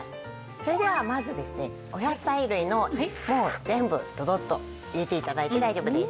それではまずですねお野菜類のもう全部どどっと入れて頂いて大丈夫です。